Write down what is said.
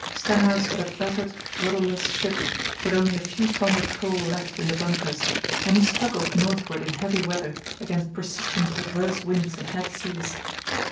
Stenhouse had a battered, rudderless ship, with only a few tons of coal left in the bunkers, and he struggled northward in heavy weather against persistent adverse winds and head seas.